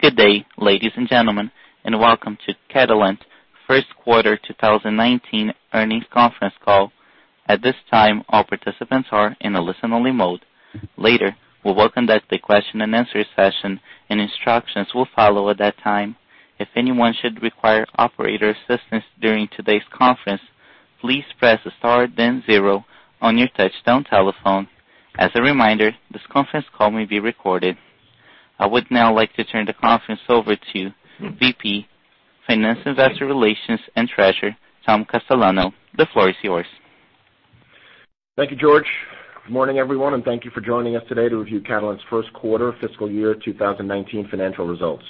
Good day, ladies and gentlemen, and welcome to Catalent First Quarter 2019 Earnings Conference Call. At this time, all participants are in a listen-only mode. Later, we will conduct a question-and-answer session, and instructions will follow at that time. If anyone should require operator assistance during today's conference, please press star then zero on your touch-tone telephone. As a reminder, this conference call may be recorded. I would now like to turn the conference over to Vice President, Finance, Investor Relations, and Treasurer, Tom Castellano. The floor is yours. Thank you, George. Good morning, everyone, and thank you for joining us today to review Catalent's first quarter fiscal year 2019 financial results.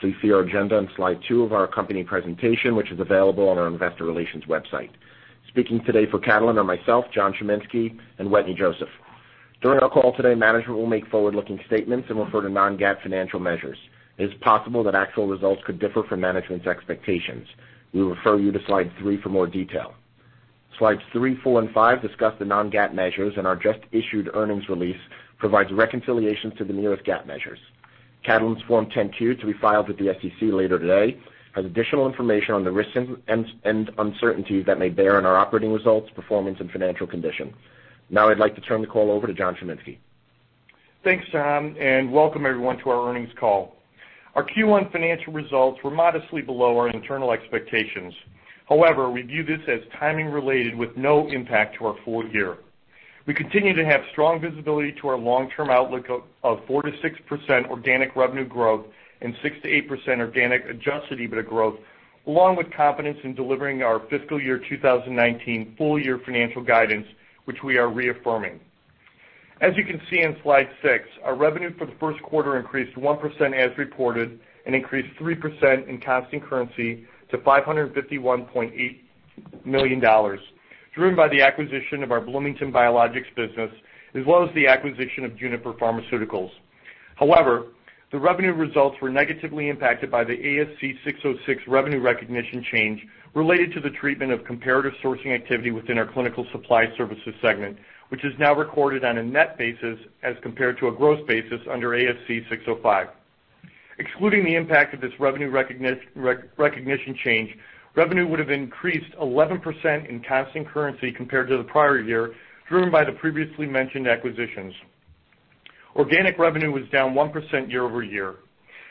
Please see our agenda and slide two of our company presentation, which is available on our investor relations website. Speaking today for Catalent are myself, John Chiminski, and Wetteny Joseph. During our call today, management will make forward-looking statements and refer to non-GAAP financial measures. It is possible that actual results could differ from management's expectations. We refer you to slide three for more detail. Slides three, four, and five discuss the non-GAAP measures, and our just-issued earnings release provides reconciliations to the nearest GAAP measures. Catalent's Form 10-Q, to be filed with the SEC later today, has additional information on the risks and uncertainties that may bear on our operating results, performance, and financial condition. Now, I'd like to turn the call over to John Chiminski. Thanks, Tom, and welcome, everyone, to our earnings call. Our Q1 financial results were modestly below our internal expectations. However, we view this as timing-related with no impact to our full year. We continue to have strong visibility to our long-term outlook of 4%-6% organic revenue growth and 6%-8% organic adjusted EBITDA growth, along with confidence in delivering our fiscal year 2019 full-year financial guidance, which we are reaffirming. As you can see in slide six, our revenue for the first quarter increased 1% as reported and increased 3% in constant currency to $551.8 million, driven by the acquisition of our Bloomington biologics business, as well as the acquisition of Juniper Pharmaceuticals. However, the revenue results were negatively impacted by the ASC 606 revenue recognition change related to the treatment of comparator sourcing activity within our clinical supply services segment, which is now recorded on a net basis as compared to a gross basis under ASC 605. Excluding the impact of this revenue recognition change, revenue would have increased 11% in constant currency compared to the prior year, driven by the previously mentioned acquisitions. Organic revenue was down 1% year over year.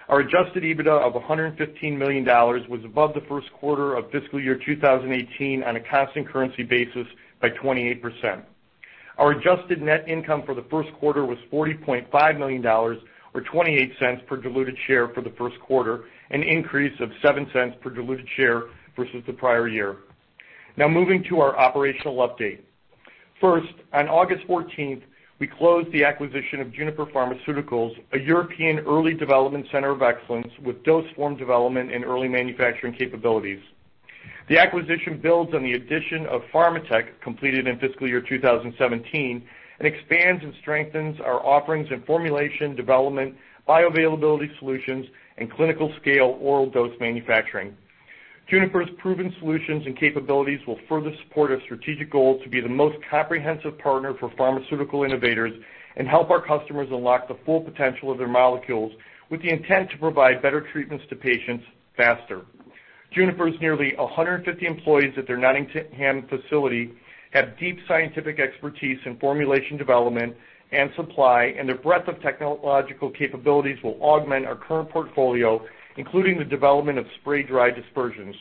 Our adjusted EBITDA of $115 million was above the first quarter of fiscal year 2018 on a constant currency basis by 28%. Our adjusted net income for the first quarter was $40.5 million, or $0.28 per diluted share for the first quarter, an increase of $0.07 per diluted share versus the prior year. Now, moving to our operational update. First, on August 14th, we closed the acquisition of Juniper Pharmaceuticals, a European early development center of excellence with dosage-form development and early manufacturing capabilities. The acquisition builds on the addition of Pharmatek, completed in fiscal year 2017, and expands and strengthens our offerings in formulation, development, bioavailability solutions, and clinical-scale oral dose manufacturing. Juniper's proven solutions and capabilities will further support our strategic goal to be the most comprehensive partner for pharmaceutical innovators and help our customers unlock the full potential of their molecules with the intent to provide better treatments to patients faster. Juniper's nearly 150 employees at their Nottingham facility have deep scientific expertise in formulation development and supply, and the breadth of technological capabilities will augment our current portfolio, including the development of spray-dried dispersions.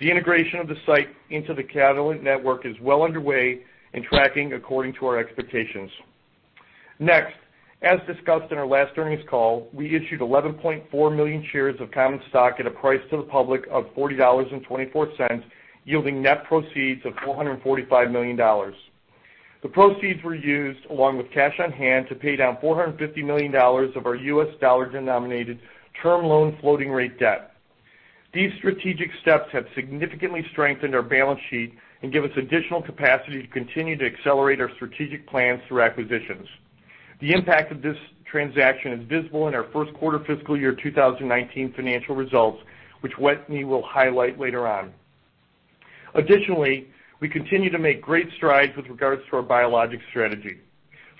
The integration of the site into the Catalent network is well underway and tracking according to our expectations. Next, as discussed in our last earnings call, we issued 11.4 million shares of common stock at a price to the public of $40.24, yielding net proceeds of $445 million. The proceeds were used, along with cash on hand, to pay down $450 million of our U.S. dollar-denominated term loan floating rate debt. These strategic steps have significantly strengthened our balance sheet and give us additional capacity to continue to accelerate our strategic plans through acquisitions. The impact of this transaction is visible in our first quarter fiscal year 2019 financial results, which Wetteny will highlight later on. Additionally, we continue to make great strides with regards to our biologics strategy.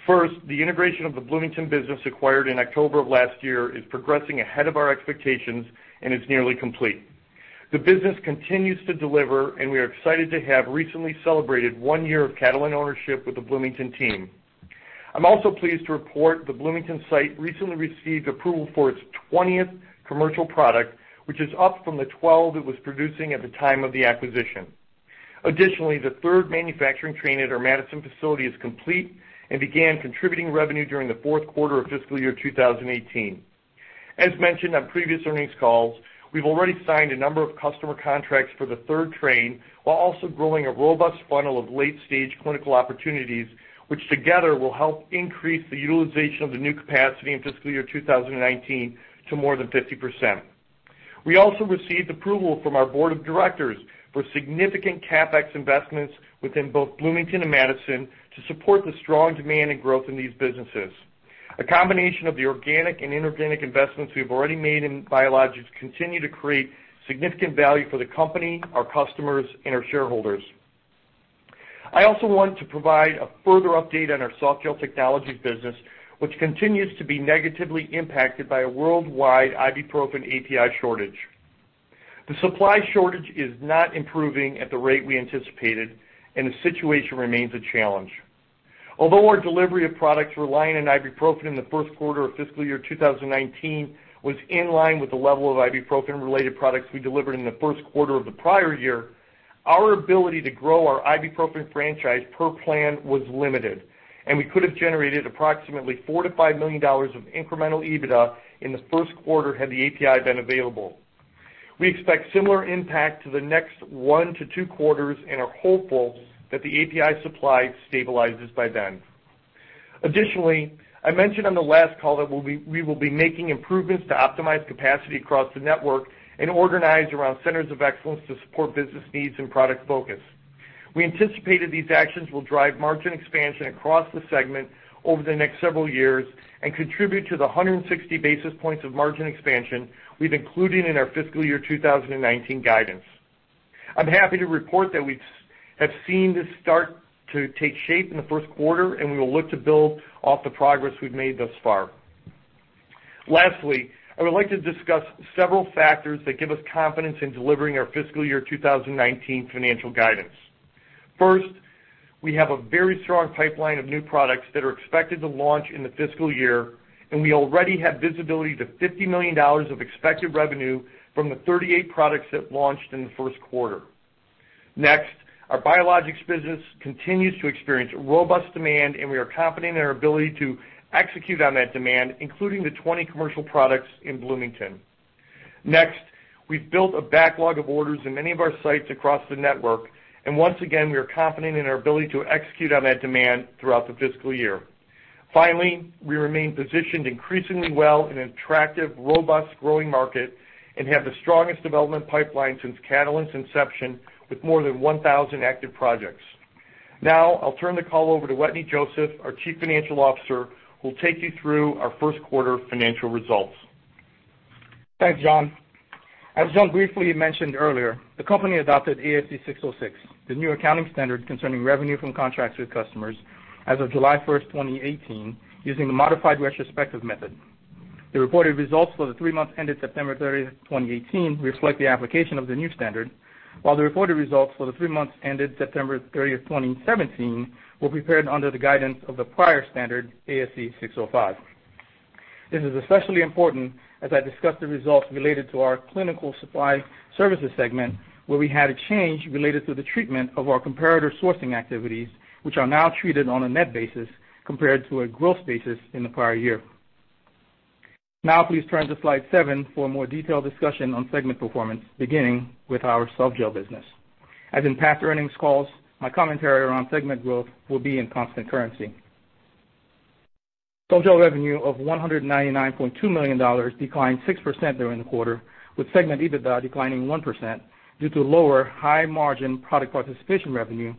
First, the integration of the Bloomington business acquired in October of last year is progressing ahead of our expectations and is nearly complete. The business continues to deliver, and we are excited to have recently celebrated one year of Catalent ownership with the Bloomington team. I'm also pleased to report the Bloomington site recently received approval for its 20th commercial product, which is up from the 12 it was producing at the time of the acquisition. Additionally, the third manufacturing train at our Madison facility is complete and began contributing revenue during the fourth quarter of fiscal year 2018. As mentioned on previous earnings calls, we've already signed a number of customer contracts for the third train, while also growing a robust funnel of late-stage clinical opportunities, which together will help increase the utilization of the new capacity in fiscal year 2019 to more than 50%. We also received approval from our board of directors for significant CapEx investments within both Bloomington and Madison to support the strong demand and growth in these businesses. A combination of the organic and inorganic investments we've already made in biologics continue to create significant value for the company, our customers, and our shareholders. I also want to provide a further update on our softgel technologies business, which continues to be negatively impacted by a worldwide ibuprofen API shortage. The supply shortage is not improving at the rate we anticipated, and the situation remains a challenge. Although our delivery of products relying on ibuprofen in the first quarter of fiscal year 2019 was in line with the level of ibuprofen-related products we delivered in the first quarter of the prior year, our ability to grow our ibuprofen franchise per plan was limited, and we could have generated approximately $4-$5 million of incremental EBITDA in the first quarter had the API been available. We expect similar impact to the next 1-2 quarters and are hopeful that the API supply stabilizes by then. Additionally, I mentioned on the last call that we will be making improvements to optimize capacity across the network and organize around centers of excellence to support business needs and product focus. We anticipate that these actions will drive margin expansion across the segment over the next several years and contribute to the 160 basis points of margin expansion we've included in our fiscal year 2019 guidance. I'm happy to report that we have seen this start to take shape in the first quarter, and we will look to build off the progress we've made thus far. Lastly, I would like to discuss several factors that give us confidence in delivering our fiscal year 2019 financial guidance. First, we have a very strong pipeline of new products that are expected to launch in the fiscal year, and we already have visibility to $50 million of expected revenue from the 38 products that launched in the first quarter. Next, our biologics business continues to experience robust demand, and we are confident in our ability to execute on that demand, including the 20 commercial products in Bloomington. Next, we've built a backlog of orders in many of our sites across the network, and once again, we are confident in our ability to execute on that demand throughout the fiscal year. Finally, we remain positioned increasingly well in an attractive, robust, growing market and have the strongest development pipeline since Catalent's inception with more than 1,000 active projects. Now, I'll turn the call over to Wetteny Joseph, our Chief Financial Officer, who will take you through our first quarter financial results. Thanks, John. As John briefly mentioned earlier, the company adopted ASC 606, the new accounting standard concerning revenue from contracts with customers as of July 1st, 2018, using the modified retrospective method. The reported results for the three months ended September 30th, 2018, reflect the application of the new standard, while the reported results for the three months ended September 30th, 2017, were prepared under the guidance of the prior standard, ASC 605. This is especially important as I discuss the results related to our clinical supply services segment, where we had a change related to the treatment of our comparator sourcing activities, which are now treated on a net basis compared to a gross basis in the prior year. Now, please turn to slide seven for a more detailed discussion on segment performance, beginning with our softgel business. As in past earnings calls, my commentary around segment growth will be in constant currency. Softgel revenue of $199.2 million declined 6% during the quarter, with segment EBITDA declining 1% due to lower high-margin product participation revenue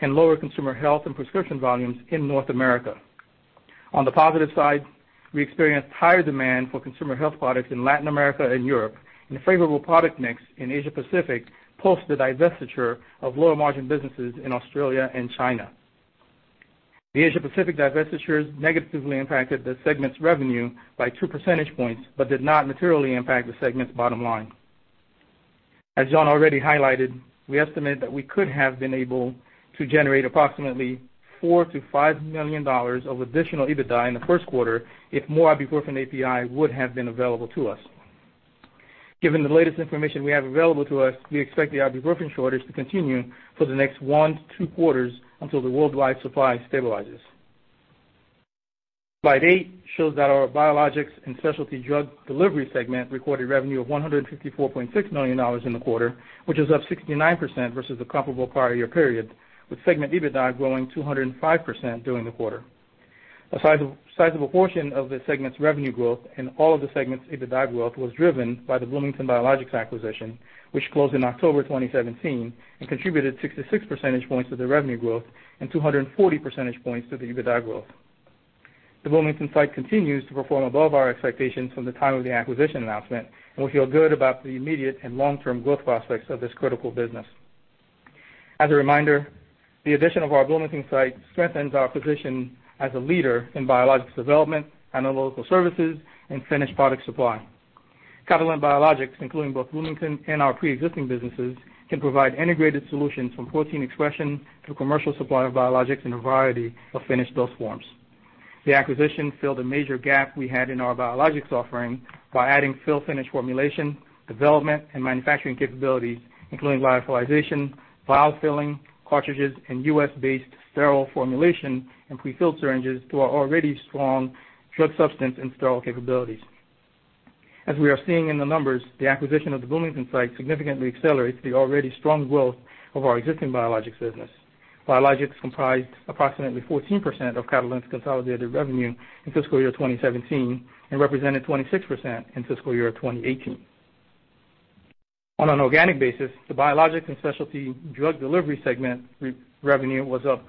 and lower consumer health and prescription volumes in North America. On the positive side, we experienced higher demand for consumer health products in Latin America and Europe, and favorable product mix in Asia Pacific post the divestiture of lower-margin businesses in Australia and China. The Asia Pacific divestitures negatively impacted the segment's revenue by two percentage points but did not materially impact the segment's bottom line. As John already highlighted, we estimate that we could have been able to generate approximately $4-$5 million of additional EBITDA in the first quarter if more ibuprofen API would have been available to us. Given the latest information we have available to us, we expect the ibuprofen shortage to continue for the next one to two quarters until the worldwide supply stabilizes. Slide eight shows that our biologics and specialty drug delivery segment recorded revenue of $154.6 million in the quarter, which is up 69% versus the comparable prior year period, with segment EBITDA growing 205% during the quarter. A sizable portion of the segment's revenue growth in all of the segment's EBITDA growth was driven by the Bloomington Biologics acquisition, which closed in October 2017 and contributed 66 percentage points to the revenue growth and 240 percentage points to the EBITDA growth. The Bloomington site continues to perform above our expectations from the time of the acquisition announcement, and we feel good about the immediate and long-term growth prospects of this critical business. As a reminder, the addition of our Bloomington site strengthens our position as a leader in biologics development, analytical services, and finished product supply. Catalent Biologics, including both Bloomington and our pre-existing businesses, can provide integrated solutions from protein expression to commercial supply of biologics in a variety of finished dose forms. The acquisition filled a major gap we had in our biologics offering by adding fill-finished formulation, development, and manufacturing capabilities, including lyophilization, vial filling, cartridges, and U.S.-based sterile formulation and prefilled syringes to our already strong drug substance and sterile capabilities. As we are seeing in the numbers, the acquisition of the Bloomington site significantly accelerates the already strong growth of our existing biologics business. Biologics comprised approximately 14% of Catalent's consolidated revenue in fiscal year 2017 and represented 26% in fiscal year 2018. On an organic basis, the biologics and specialty drug delivery segment revenue was up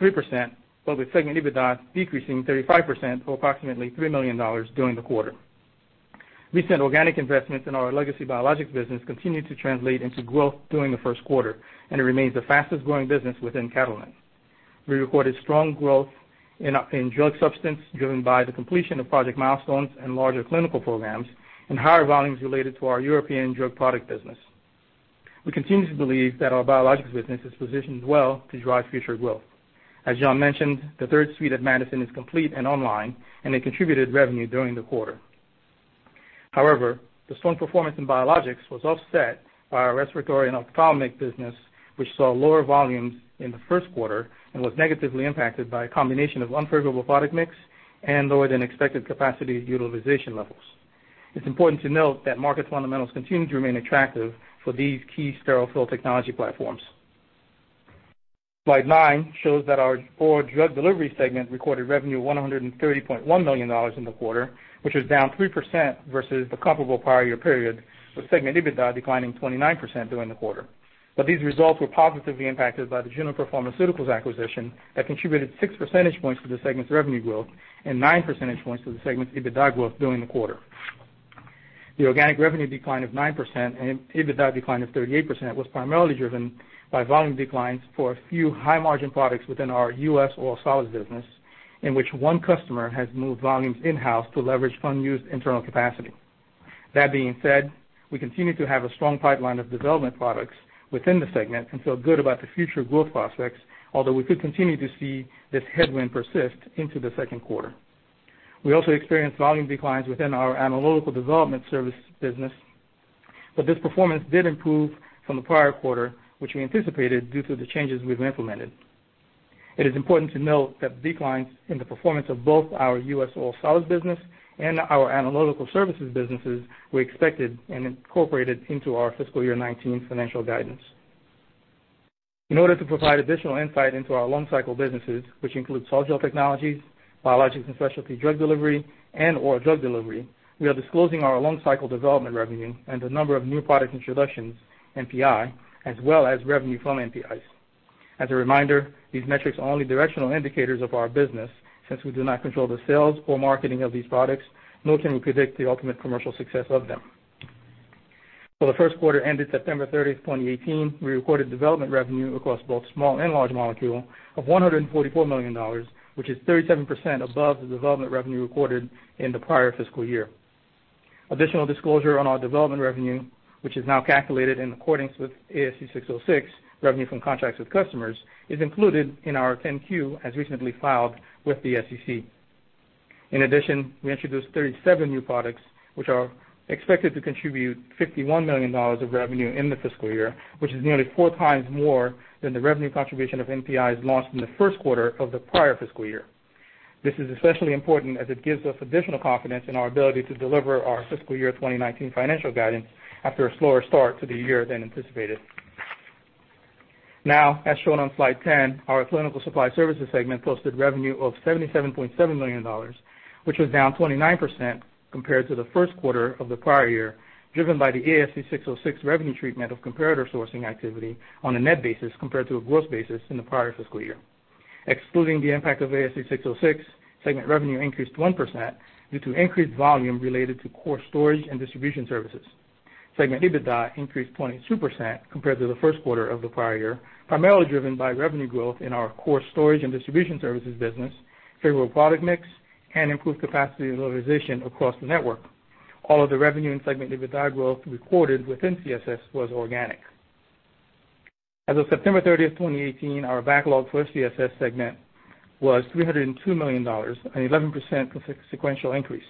3%, but with segment EBITDA decreasing 35%, or approximately $3 million during the quarter. Recent organic investments in our legacy biologics business continue to translate into growth during the first quarter, and it remains the fastest-growing business within Catalent. We recorded strong growth in drug substance driven by the completion of project milestones and larger clinical programs and higher volumes related to our European drug product business. We continue to believe that our biologics business is positioned well to drive future growth. As John mentioned, the third suite at Madison is complete and online, and it contributed revenue during the quarter. However, the strong performance in biologics was offset by our respiratory and ophthalmic business, which saw lower volumes in the first quarter and was negatively impacted by a combination of unfavorable product mix and lower than expected capacity utilization levels. It's important to note that market fundamentals continue to remain attractive for these key sterile fill technology platforms. Slide nine shows that our drug delivery segment recorded revenue of $130.1 million in the quarter, which is down 3% versus the comparable prior year period, with segment EBITDA declining 29% during the quarter. But these results were positively impacted by the Juniper Pharmaceuticals acquisition that contributed 6 percentage points to the segment's revenue growth and 9 percentage points to the segment's EBITDA growth during the quarter. The organic revenue decline of 9% and EBITDA decline of 38% was primarily driven by volume declines for a few high-margin products within our U.S. oral solids business, in which one customer has moved volumes in-house to leverage unused internal capacity. That being said, we continue to have a strong pipeline of development products within the segment and feel good about the future growth prospects, although we could continue to see this headwind persist into the second quarter. We also experienced volume declines within our analytical development service business, but this performance did improve from the prior quarter, which we anticipated due to the changes we've implemented. It is important to note that declines in the performance of both our U.S. oral solids business and our analytical services businesses were expected and incorporated into our fiscal year 2019 financial guidance. In order to provide additional insight into our long-cycle businesses, which include softgel technologies, biologics and specialty drug delivery, and oral drug delivery, we are disclosing our long-cycle development revenue and the number of new product introductions, NPI, as well as revenue from NPIs. As a reminder, these metrics are only directional indicators of our business since we do not control the sales or marketing of these products, nor can we predict the ultimate commercial success of them. For the first quarter ended September 30th, 2018, we recorded development revenue across both small and large molecule of $144 million, which is 37% above the development revenue recorded in the prior fiscal year. Additional disclosure on our development revenue, which is now calculated in accordance with ASC 606 revenue from contracts with customers, is included in our 10-Q as recently filed with the SEC. In addition, we introduced 37 new products, which are expected to contribute $51 million of revenue in the fiscal year, which is nearly four times more than the revenue contribution of NPIs launched in the first quarter of the prior fiscal year. This is especially important as it gives us additional confidence in our ability to deliver our fiscal year 2019 financial guidance after a slower start to the year than anticipated. Now, as shown on slide 10, our clinical supply services segment posted revenue of $77.7 million, which was down 29% compared to the first quarter of the prior year, driven by the ASC 606 revenue treatment of comparator sourcing activity on a net basis compared to a gross basis in the prior fiscal year. Excluding the impact of ASC 606, segment revenue increased 1% due to increased volume related to core storage and distribution services. Segment EBITDA increased 22% compared to the first quarter of the prior year, primarily driven by revenue growth in our core storage and distribution services business, favorable product mix, and improved capacity utilization across the network. All of the revenue and segment EBITDA growth recorded within CSS was organic. As of September 30th, 2018, our backlog for CSS segment was $302 million, an 11% sequential increase.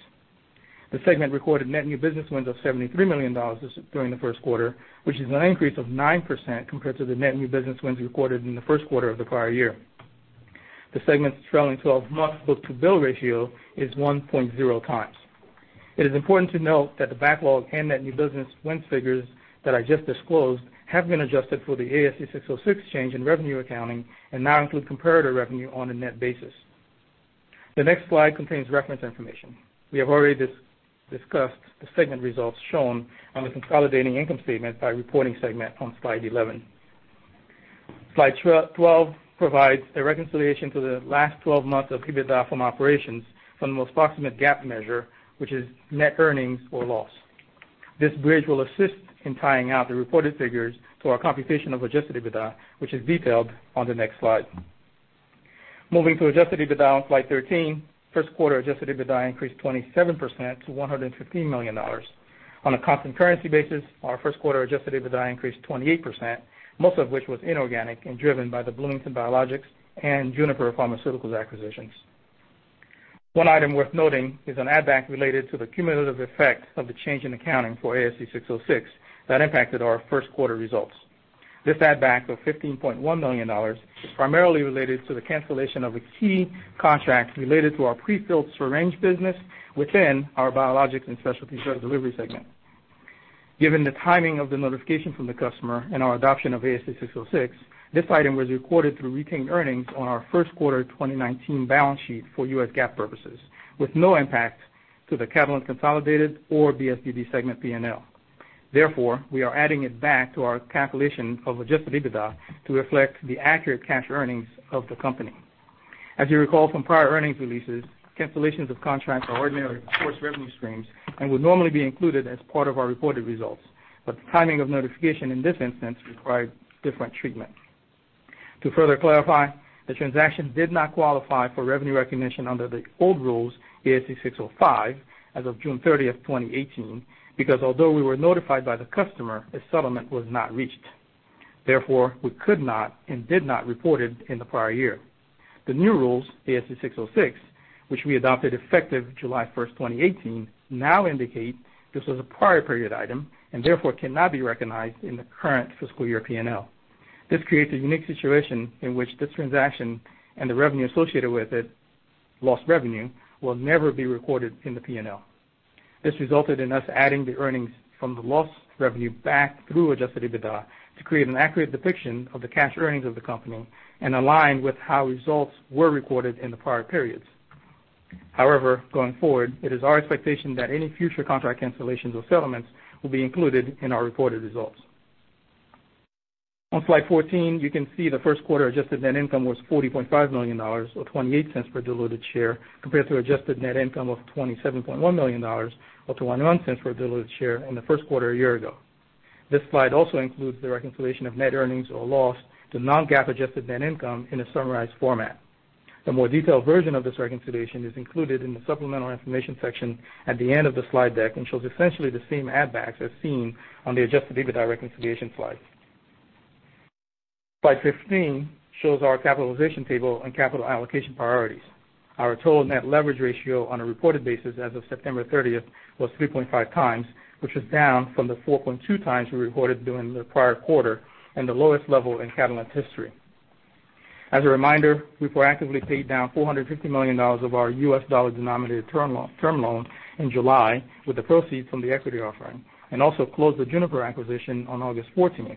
The segment recorded net new business wins of $73 million during the first quarter, which is an increase of 9% compared to the net new business wins recorded in the first quarter of the prior year. The segment's trailing 12-month book-to-bill ratio is 1.0 times. It is important to note that the backlog and net new business wins figures that I just disclosed have been adjusted for the ASC 606 change in revenue accounting and now include comparator revenue on a net basis. The next slide contains reference information. We have already discussed the segment results shown on the consolidated income statement by reporting segment on slide 11. Slide 12 provides a reconciliation to the last 12 months of EBITDA from operations from the most proximate GAAP measure, which is net earnings or loss. This bridge will assist in tying out the reported figures to our computation of adjusted EBITDA, which is detailed on the next slide. Moving to adjusted EBITDA on slide 13, first quarter adjusted EBITDA increased 27% to $115 million. On a constant currency basis, our first quarter adjusted EBITDA increased 28%, most of which was inorganic and driven by the Bloomington Biologics and Juniper Pharmaceuticals acquisitions. One item worth noting is an add-back related to the cumulative effect of the change in accounting for ASC 606 that impacted our first quarter results. This add-back of $15.1 million is primarily related to the cancellation of a key contract related to our prefilled syringe business within our biologics and specialty drug delivery segment. Given the timing of the notification from the customer and our adoption of ASC 606, this item was recorded through retained earnings on our first quarter 2019 balance sheet for U.S. GAAP purposes, with no impact to the Catalent consolidated or BSDD segment P&L. Therefore, we are adding it back to our calculation of adjusted EBITDA to reflect the accurate cash earnings of the company. As you recall from prior earnings releases, cancellations of contracts are ordinary course revenue streams and would normally be included as part of our reported results, but the timing of notification in this instance required different treatment. To further clarify, the transaction did not qualify for revenue recognition under the old rules, ASC 605, as of June 30th, 2018, because although we were notified by the customer, a settlement was not reached. Therefore, we could not and did not report it in the prior year. The new rules, ASC 606, which we adopted effective July 1st, 2018, now indicate this was a prior period item and therefore cannot be recognized in the current fiscal year P&L. This creates a unique situation in which this transaction and the revenue associated with it, lost revenue, will never be recorded in the P&L. This resulted in us adding the earnings from the loss revenue back through adjusted EBITDA to create an accurate depiction of the cash earnings of the company and align with how results were recorded in the prior periods. However, going forward, it is our expectation that any future contract cancellations or settlements will be included in our reported results. On slide 14, you can see the first quarter adjusted net income was $40.5 million, or $0.28 per diluted share, compared to adjusted net income of $27.1 million, or $0.21 per diluted share in the first quarter a year ago. This slide also includes the reconciliation of net earnings or loss to non-GAAP adjusted net income in a summarized format. A more detailed version of this reconciliation is included in the supplemental information section at the end of the slide deck and shows essentially the same add-backs as seen on the Adjusted EBITDA reconciliation slide. Slide 15 shows our capitalization table and capital allocation priorities. Our total net leverage ratio on a reported basis as of September 30th was 3.5 times, which is down from the 4.2 times we recorded during the prior quarter and the lowest level in Catalent history. As a reminder, we proactively paid down $450 million of our U.S. dollar denominated term loan in July with the proceeds from the equity offering and also closed the Juniper acquisition on August 14th.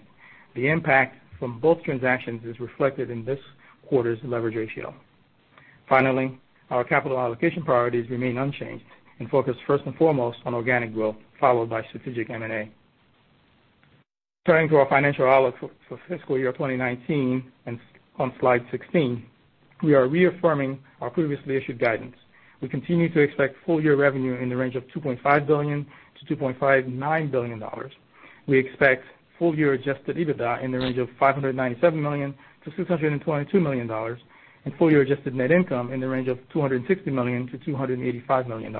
The impact from both transactions is reflected in this quarter's leverage ratio. Finally, our capital allocation priorities remain unchanged and focus first and foremost on organic growth, followed by strategic M&A. Turning to our financial outlook for fiscal year 2019, on slide 16, we are reaffirming our previously issued guidance. We continue to expect full year revenue in the range of $2.5 billion-$2.59 billion. We expect full year Adjusted EBITDA in the range of $597 million-$622 million and full year Adjusted Net Income in the range of $260 million-$285 million.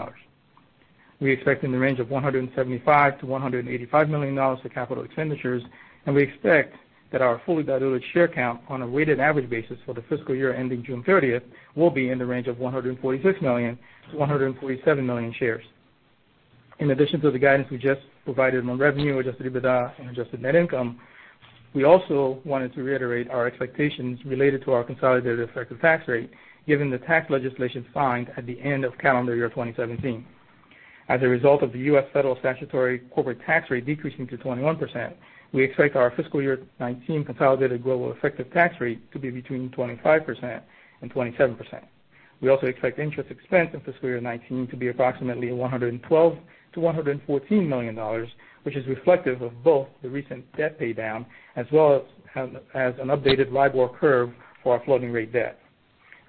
We expect in the range of $175-$185 million for capital expenditures, and we expect that our fully diluted share count on a weighted average basis for the fiscal year ending June 30th will be in the range of 146 million-147 million shares. In addition to the guidance we just provided on revenue, Adjusted EBITDA, and Adjusted Net Income, we also wanted to reiterate our expectations related to our consolidated effective tax rate, given the tax legislation signed at the end of calendar year 2017. As a result of the U.S. federal statutory corporate tax rate decreasing to 21%, we expect our fiscal year 2019 consolidated global effective tax rate to be between 25% and 27%. We also expect interest expense in fiscal year 2019 to be approximately $112-$114 million, which is reflective of both the recent debt paydown as well as an updated LIBOR curve for our floating rate debt.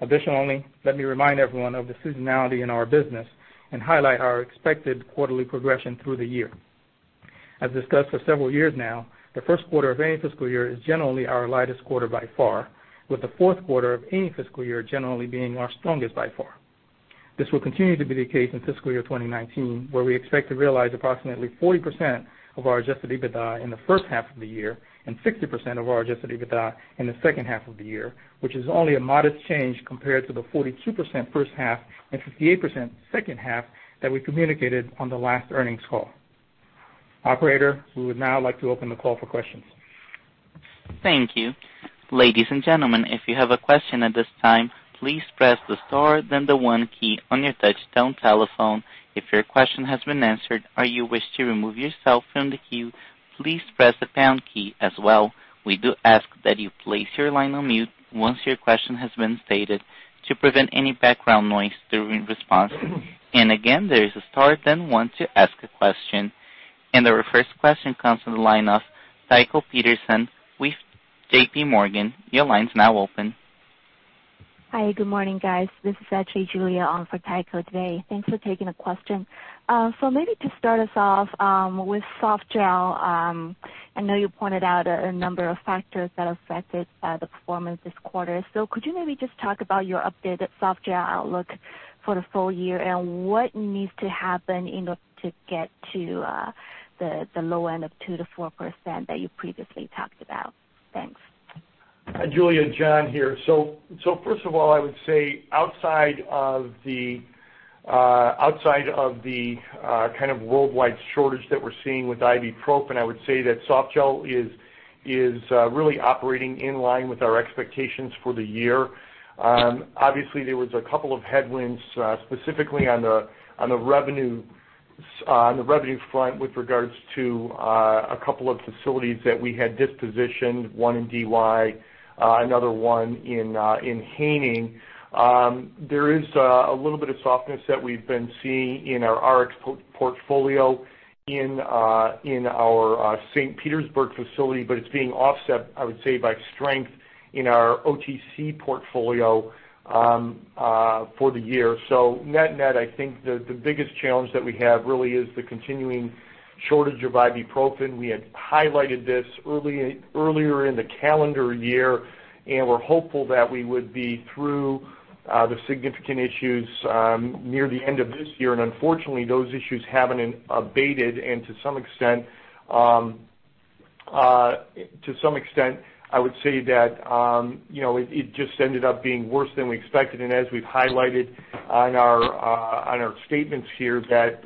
Additionally, let me remind everyone of the seasonality in our business and highlight our expected quarterly progression through the year. As discussed for several years now, the first quarter of any fiscal year is generally our lightest quarter by far, with the fourth quarter of any fiscal year generally being our strongest by far. This will continue to be the case in fiscal year 2019, where we expect to realize approximately 40% of our Adjusted EBITDA in the first half of the year and 60% of our Adjusted EBITDA in the second half of the year, which is only a modest change compared to the 42% first half and 58% second half that we communicated on the last earnings call. Operator, we would now like to open the call for questions. Thank you. Ladies and gentlemen, if you have a question at this time, please press the star, then the one key on your touch-tone telephone. If your question has been answered or you wish to remove yourself from the queue, please press the pound key as well. We do ask that you place your line on mute once your question has been stated to prevent any background noise during response. And again, there is a star, then one to ask a question. And our first question comes from the line of Tycho Peterson with J.P. Morgan. Your line's now open. Hi, good morning, guys. This is Julia Qin on for Tycho today. Thanks for taking the question. So maybe to start us off with softgel, I know you pointed out a number of factors that affected the performance this quarter. So could you maybe just talk about your updated softgel outlook for the full year and what needs to happen in order to get to the low end of 2%-4% that you previously talked about? Thanks. Julia, John here. So first of all, I would say outside of the kind of worldwide shortage that we're seeing with Ibuprofen, I would say that softgel is really operating in line with our expectations for the year. Obviously, there was a couple of headwinds, specifically on the revenue front with regards to a couple of facilities that we had dispositioned, one in Australia, another one in Haining. There is a little bit of softness that we've been seeing in our Rx portfolio in our St. Petersburg facility, but it's being offset, I would say, by strength in our OTC portfolio for the year. So net net, I think the biggest challenge that we have really is the continuing shortage of Ibuprofen. We had highlighted this earlier in the calendar year, and we're hopeful that we would be through the significant issues near the end of this year. And unfortunately, those issues haven't abated, and to some extent, I would say that it just ended up being worse than we expected. And as we've highlighted on our statements here, that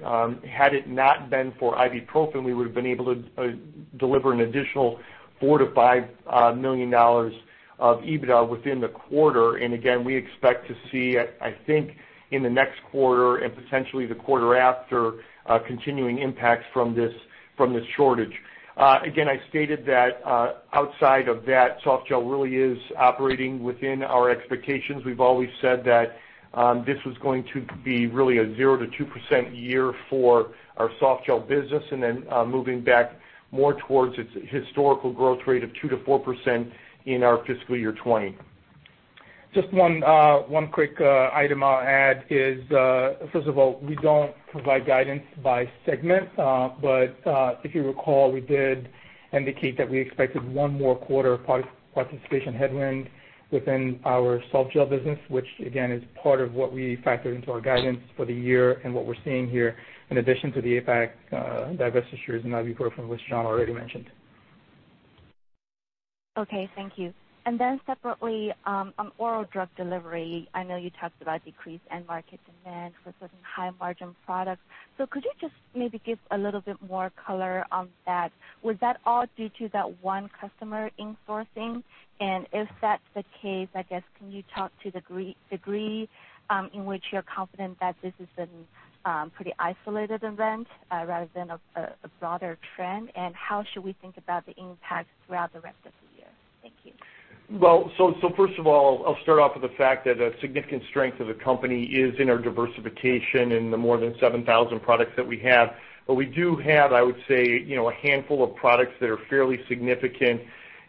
had it not been for Ibuprofen, we would have been able to deliver an additional $4-$5 million of EBITDA within the quarter. And again, we expect to see, I think, in the next quarter and potentially the quarter after, continuing impacts from this shortage. Again, I stated that outside of that, softgel really is operating within our expectations. We've always said that this was going to be really a 0-2% year for our softgel business, and then moving back more towards its historical growth rate of 2-4% in our fiscal year 2020. Just one quick item I'll add is, first of all, we don't provide guidance by segment, but if you recall, we did indicate that we expected one more quarter of participation headwind within our softgel business, which again is part of what we factored into our guidance for the year and what we're seeing here, in addition to the APAC divestiture issues and ibuprofen, which John already mentioned. Okay, thank you. And then separately, on oral drug delivery, I know you talked about decreased end market demand for certain high-margin products. So could you just maybe give a little bit more color on that? Was that all due to that one customer in-sourcing? And if that's the case, I guess, can you talk to the degree in which you're confident that this is a pretty isolated event rather than a broader trend? And how should we think about the impact throughout the rest of the year? Thank you. First of all, I'll start off with the fact that a significant strength of the company is in our diversification and the more than 7,000 products that we have. But we do have, I would say, a handful of products that are fairly significant.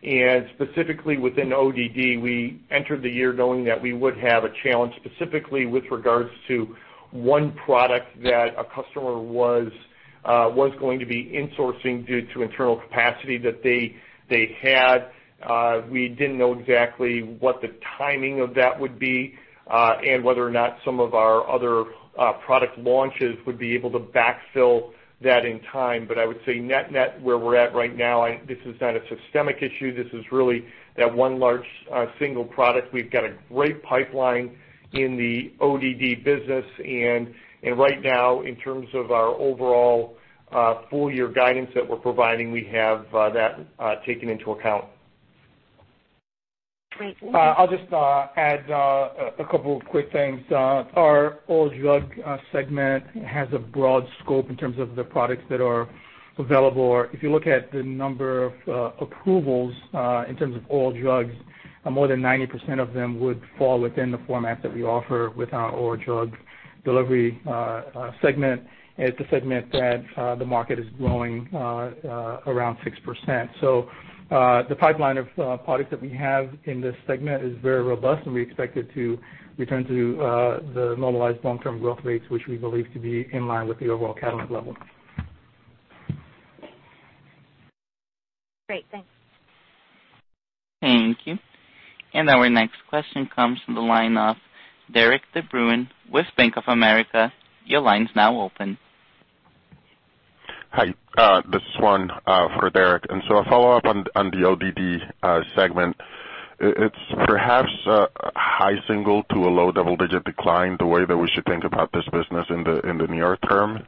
And specifically within ODD, we entered the year knowing that we would have a challenge specifically with regards to one product that a customer was going to be in-sourcing due to internal capacity that they had. We didn't know exactly what the timing of that would be and whether or not some of our other product launches would be able to backfill that in time. But I would say net net, where we're at right now, this is not a systemic issue. This is really that one large single product. We've got a great pipeline in the ODD business. And right now, in terms of our overall full year guidance that we're providing, we have that taken into account. I'll just add a couple of quick things. Our oral drug segment has a broad scope in terms of the products that are available. If you look at the number of approvals in terms of oral drugs, more than 90% of them would fall within the formats that we offer with our oral drug delivery segment. It's a segment that the market is growing around 6%. So the pipeline of products that we have in this segment is very robust, and we expect it to return to the normalized long-term growth rates, which we believe to be in line with the overall Catalent level. Great. Thanks. Thank you. And our next question comes from the line of Derik de Bruin with Bank of America. Your line's now open. Hi, this is Juan for Derik. And so a follow-up on the ODD segment. It's perhaps a high single- to a low double-digit decline the way that we should think about this business in the near term?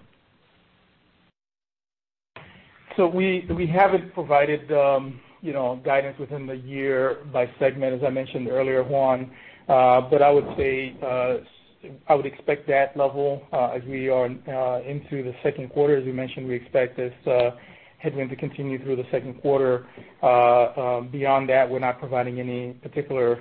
So we haven't provided guidance within the year by segment, as I mentioned earlier, Juan. But I would say I would expect that level as we are into the second quarter. As we mentioned, we expect this headwind to continue through the second quarter. Beyond that, we're not providing any particular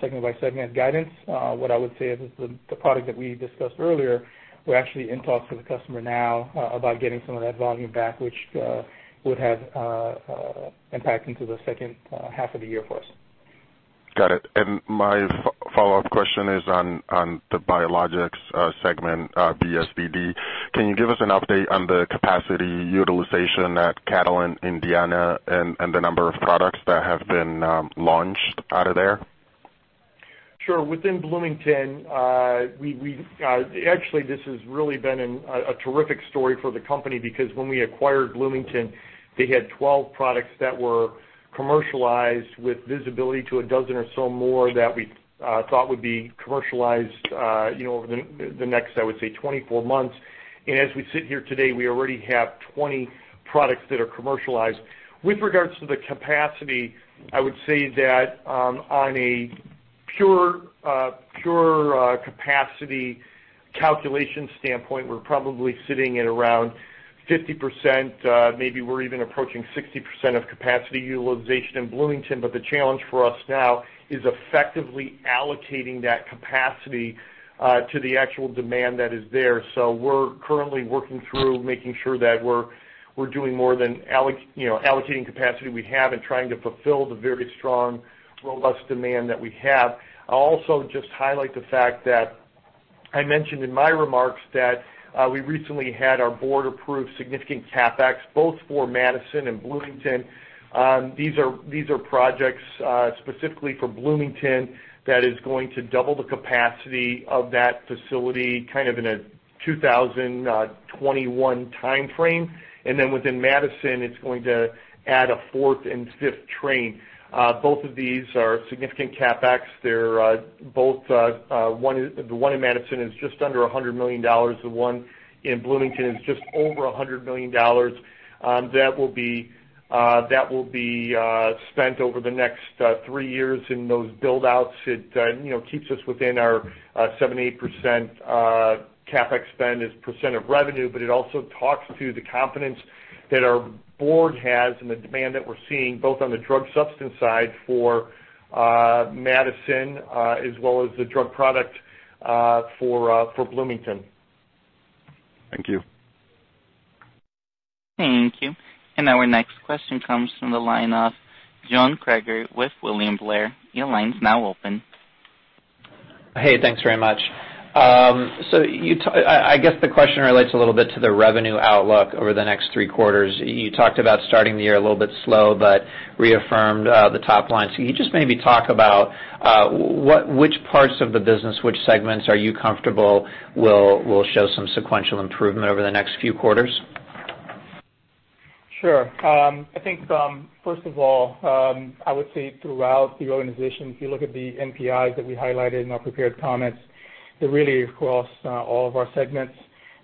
segment-by-segment guidance. What I would say is the product that we discussed earlier, we're actually in talks with the customer now about getting some of that volume back, which would have impact into the second half of the year for us. Got it. And my follow-up question is on the biologics segment, BSDD. Can you give us an update on the capacity utilization at Catalent Indiana and the number of products that have been launched out of there? Sure. Within Bloomington, actually, this has really been a terrific story for the company because when we acquired Bloomington, they had 12 products that were commercialized with visibility to a dozen or so more that we thought would be commercialized over the next, I would say, 24 months. As we sit here today, we already have 20 products that are commercialized. With regards to the capacity, I would say that on a pure capacity calculation standpoint, we're probably sitting at around 50%. Maybe we're even approaching 60% of capacity utilization in Bloomington. But the challenge for us now is effectively allocating that capacity to the actual demand that is there. So we're currently working through making sure that we're doing more than allocating capacity we have and trying to fulfill the very strong, robust demand that we have. I'll also just highlight the fact that I mentioned in my remarks that we recently had our board approve significant CapEx, both for Madison and Bloomington. These are projects specifically for Bloomington that is going to double the capacity of that facility kind of in a 2021 timeframe. Then within Madison, it's going to add a fourth and fifth train. Both of these are significant CapEx. The one in Madison is just under $100 million. The one in Bloomington is just over $100 million. That will be spent over the next three years in those buildouts. It keeps us within our 7%-8% CapEx spend as percent of revenue, but it also talks to the confidence that our board has and the demand that we're seeing both on the drug substance side for Madison as well as the drug product for Bloomington. Thank you. Thank you. Our next question comes from the line of John Kreger with William Blair. Your line's now open. Hey, thanks very much. I guess the question relates a little bit to the revenue outlook over the next three quarters. You talked about starting the year a little bit slow but reaffirmed the top line. So can you just maybe talk about which parts of the business, which segments are you comfortable will show some sequential improvement over the next few quarters? Sure. I think, first of all, I would say throughout the organization, if you look at the NPIs that we highlighted in our prepared comments, they're really across all of our segments.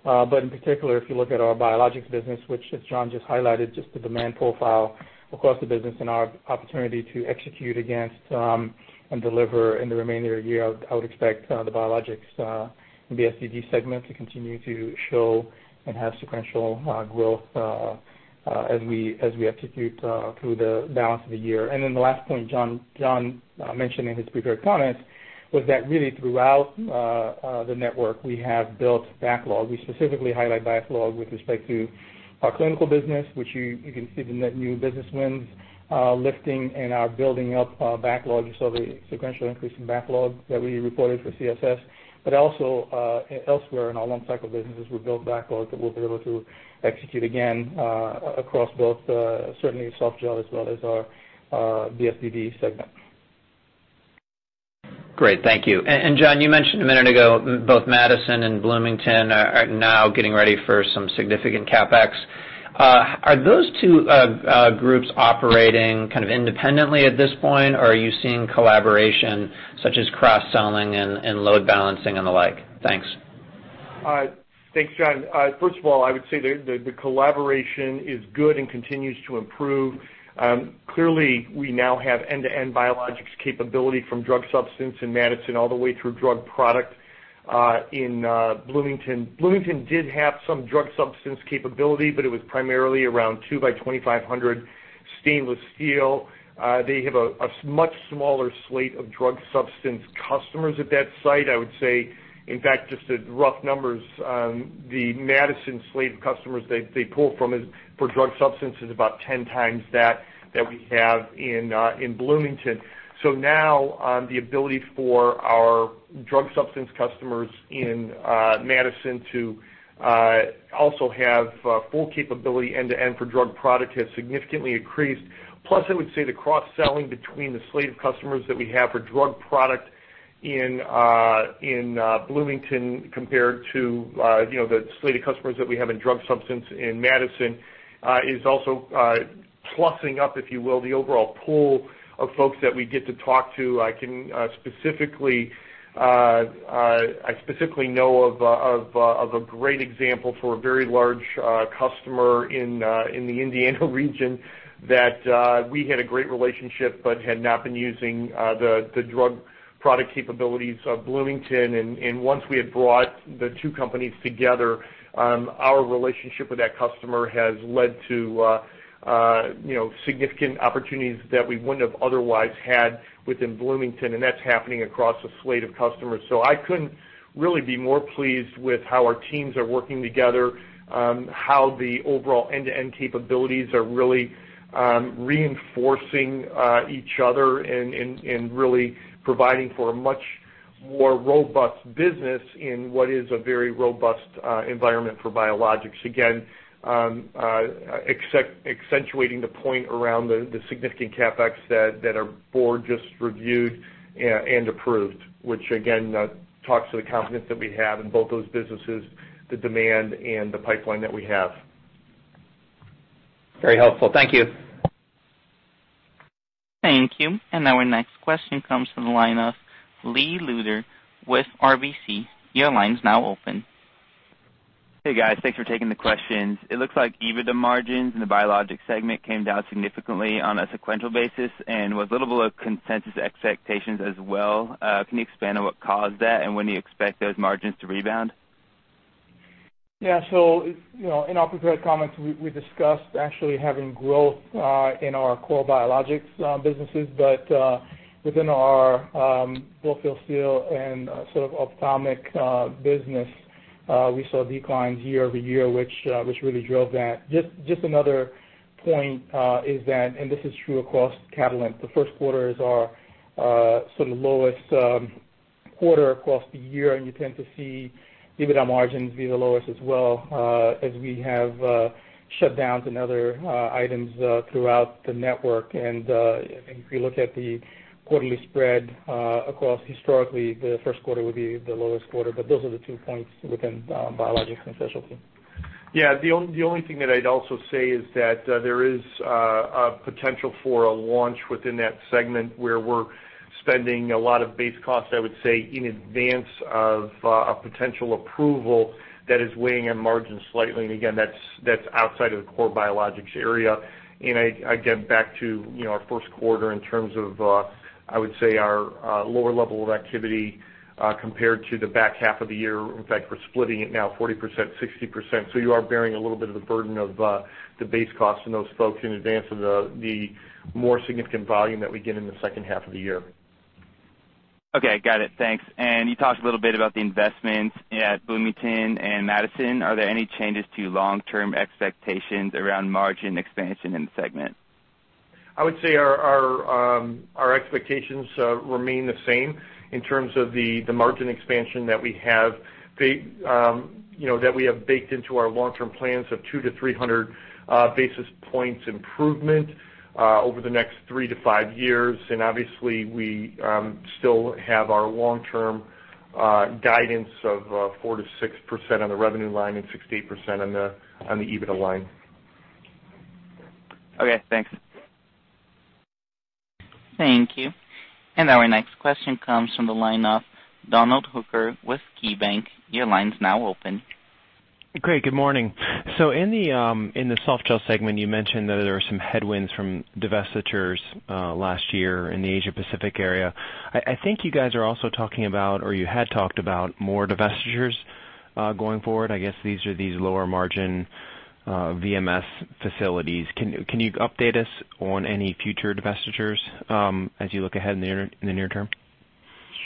But in particular, if you look at our biologics business, which, as John just highlighted, just the demand profile across the business and our opportunity to execute against and deliver in the remainder of the year, I would expect the biologics and BSDD segment to continue to show and have sequential growth as we execute through the balance of the year. And then the last point John mentioned in his prepared comments was that really throughout the network, we have built backlog. We specifically highlight backlog with respect to our clinical business, which you can see the new business wins lifting and we're building up backlog. So the sequential increase in backlog that we reported for CSS. But also elsewhere in our long-cycle businesses, we've built backlog that we'll be able to execute again across both, certainly soft gel as well as our BSDD segment. Great. Thank you. And John, you mentioned a minute ago both Madison and Bloomington are now getting ready for some significant CapEx. Are those two groups operating kind of independently at this point, or are you seeing collaboration such as cross-selling and load balancing and the like? Thanks. Thanks, John. First of all, I would say the collaboration is good and continues to improve. Clearly, we now have end-to-end biologics capability from drug substance in Madison all the way through drug product in Bloomington. Bloomington did have some drug substance capability, but it was primarily around 2 by 2,500 stainless steel. They have a much smaller slate of drug substance customers at that site. I would say, in fact, just the rough numbers, the Madison slate of customers that they pull from for drug substances is about 10 times that we have in Bloomington. So now the ability for our drug substance customers in Madison to also have full capability end-to-end for drug product has significantly increased. Plus, I would say the cross-selling between the slate of customers that we have for drug product in Bloomington compared to the slate of customers that we have in drug substance in Madison is also plusing up, if you will, the overall pool of folks that we get to talk to. I specifically know of a great example for a very large customer in the Indiana region that we had a great relationship but had not been using the drug product capabilities of Bloomington, and once we had brought the two companies together, our relationship with that customer has led to significant opportunities that we wouldn't have otherwise had within Bloomington, and that's happening across a slate of customers. So I couldn't really be more pleased with how our teams are working together, how the overall end-to-end capabilities are really reinforcing each other and really providing for a much more robust business in what is a very robust environment for biologics. Again, accentuating the point around the significant CapEx that our board just reviewed and approved, which again talks to the confidence that we have in both those businesses, the demand, and the pipeline that we have. Very helpful. Thank you. Thank you. And our next question comes from the line of Lee Luther with RBC. Your line's now open. Hey, guys. Thanks for taking the questions. It looks like even the margins in the biologics segment came down significantly on a sequential basis and was a little below consensus expectations as well. Can you expand on what caused that and when you expect those margins to rebound? Yeah. In our prepared comments, we discussed actually having growth in our core biologics businesses. But within our blow-fill-seal and sort of OptiForm business, we saw declines year over year, which really drove that. Just another point is that, and this is true across Catalent, the first quarter is our sort of lowest quarter across the year. You tend to see even our margins be the lowest as well as we have shutdowns and other items throughout the network. If you look at the quarterly spread across historically, the first quarter would be the lowest quarter. Those are the two points within biologics and specialty. Yeah. The only thing that I'd also say is that there is a potential for a launch within that segment where we're spending a lot of base cost, I would say, in advance of a potential approval that is weighing our margins slightly. And again, that's outside of the core biologics area. And I get back to our first quarter in terms of, I would say, our lower level of activity compared to the back half of the year. In fact, we're splitting it now 40%, 60%. So you are bearing a little bit of the burden of the base costs in those folks in advance of the more significant volume that we get in the second half of the year. Okay. Got it. Thanks. And you talked a little bit about the investments at Bloomington and Madison. Are there any changes to long-term expectations around margin expansion in the segment? I would say our expectations remain the same in terms of the margin expansion that we have baked into our long-term plans of 2 to 300 basis points improvement over the next three to five years. And obviously, we still have our long-term guidance of 4%-6% on the revenue line and 68% on the EBITDA line. Okay. Thanks. Thank you. And our next question comes from the line of Donald Hooker with KeyBanc. Your line's now open. Great. Good morning. So in the softgel segment, you mentioned that there were some headwinds from divestitures last year in the Asia Pacific area. I think you guys are also talking about, or you had talked about, more divestitures going forward. I guess these are these lower margin VMS facilities. Can you update us on any future divestitures as you look ahead in the near term?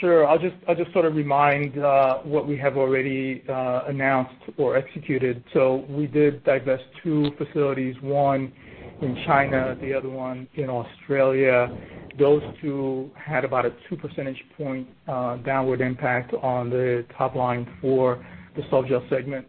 Sure. I'll just sort of remind what we have already announced or executed. So we did divest two facilities, one in China, the other one in Australia. Those two had about a 2 percentage point downward impact on the top line for the softgel segment.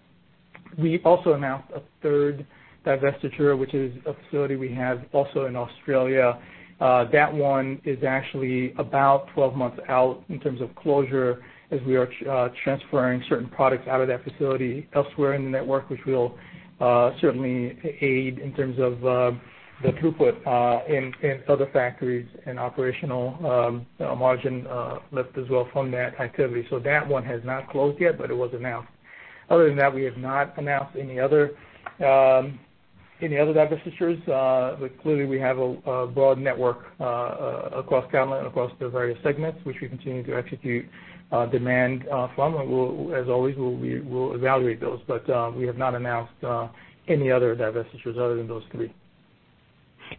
We also announced a third divestiture, which is a facility we have also in Australia. That one is actually about 12 months out in terms of closure as we are transferring certain products out of that facility elsewhere in the network, which will certainly aid in terms of the throughput in other factories and operational margin lift as well from that activity. So that one has not closed yet, but it was announced. Other than that, we have not announced any other divestitures. But clearly, we have a broad network across Catalent and across the various segments, which we continue to execute demand from. And as always, we'll evaluate those. But we have not announced any other divestitures other than those three.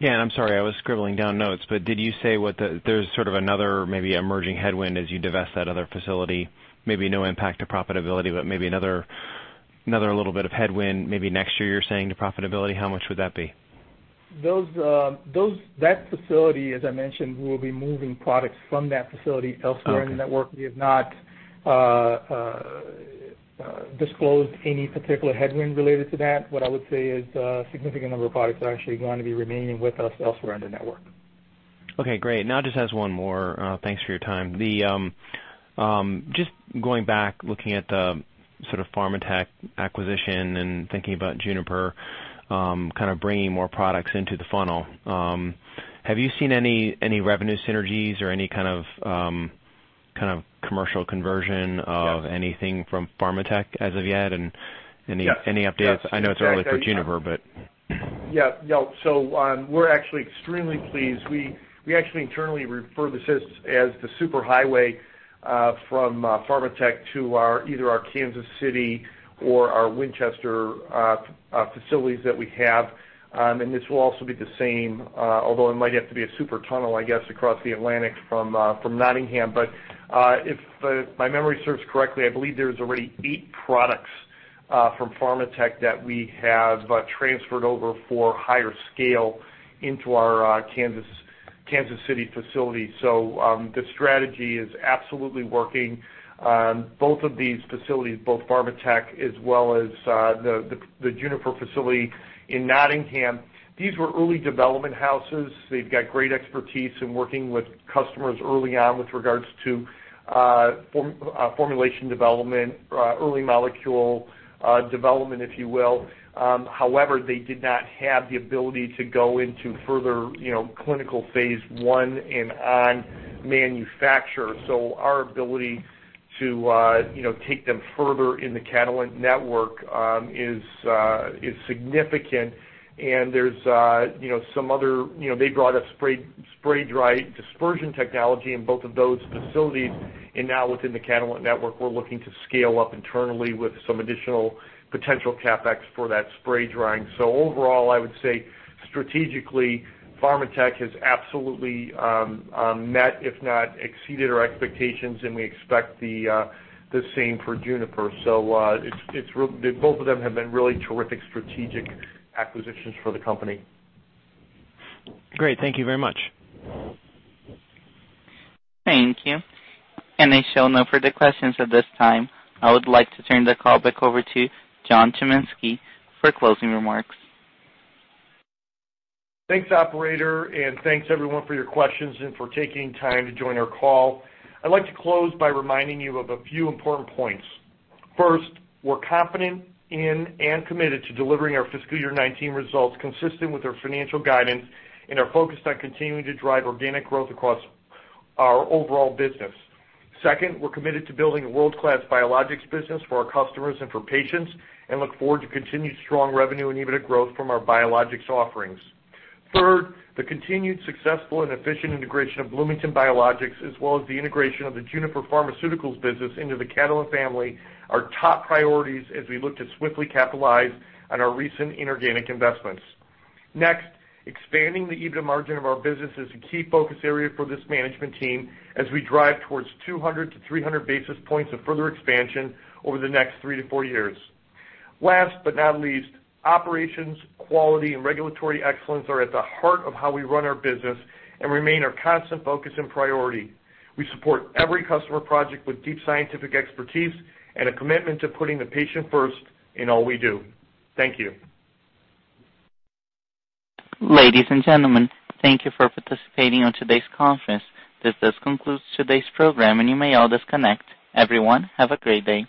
Yeah. And I'm sorry, I was scribbling down notes. But did you say there's sort of another maybe emerging headwind as you divest that other facility? Maybe no impact to profitability, but maybe another little bit of headwind maybe next year, you're saying, to profitability. How much would that be? That facility, as I mentioned, we will be moving products from that facility elsewhere in the network. We have not disclosed any particular headwind related to that. What I would say is a significant number of products are actually going to be remaining with us elsewhere in the network. Okay. Great. And I'll just ask one more. Thanks for your time. Just going back, looking at the sort of Pharmatek acquisition and thinking about Juniper kind of bringing more products into the funnel, have you seen any revenue synergies or any kind of commercial conversion of anything from Pharmatech as of yet? And any updates? I know it's early for Juniper, but. Yeah. No. So we're actually extremely pleased. We actually internally refer this as the super highway from Pharmatech to either our Kansas City or our Winchester facilities that we have. And this will also be the same, although it might have to be a super tunnel, I guess, across the Atlantic from Nottingham. But if my memory serves correctly, I believe there are already eight products from Pharmatech that we have transferred over for higher scale into our Kansas City facility. So the strategy is absolutely working. Both of these facilities, both Pharmatech as well as the Juniper facility in Nottingham, these were early development houses. They've got great expertise in working with customers early on with regards to formulation development, early molecule development, if you will. However, they did not have the ability to go into further clinical Phase 1 and on manufacture. So our ability to take them further in the Catalent network is significant. And there's some other they brought us spray-dried dispersion technology in both of those facilities. And now within the Catalent network, we're looking to scale up internally with some additional potential CapEx for that spray-drying. So overall, I would say strategically, Pharmatech has absolutely met, if not exceeded, our expectations. And we expect the same for Juniper. So both of them have been really terrific strategic acquisitions for the company. Great. Thank you very much. Thank you. There are no further questions at this time. I would like to turn the call back over to John Chiminski for closing remarks. Thanks, operator. And thanks, everyone, for your questions and for taking time to join our call. I'd like to close by reminding you of a few important points. First, we're confident in and committed to delivering our fiscal year 2019 results consistent with our financial guidance and are focused on continuing to drive organic growth across our overall business. Second, we're committed to building a world-class biologics business for our customers and for patients and look forward to continued strong revenue and even growth from our biologics offerings. Third, the continued successful and efficient integration of Bloomington Biologics as well as the integration of the Juniper Pharmaceuticals business into the Catalent family are top priorities as we look to swiftly capitalize on our recent inorganic investments. Next, expanding the EBITDA margin of our business is a key focus area for this management team as we drive towards 200 to 300 basis points of further expansion over the next three to four years. Last but not least, operations, quality, and regulatory excellence are at the heart of how we run our business and remain our constant focus and priority. We support every customer project with deep scientific expertise and a commitment to putting the patient first in all we do. Thank you. Ladies and gentlemen, thank you for participating in today's conference. This does conclude today's program, and you may all disconnect. Everyone, have a great day.